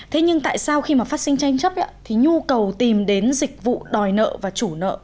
thế nhưng tại sao khi mà phát sinh tranh chấp thì nhu cầu tìm đến dịch vụ đòi nợ và chủ nợ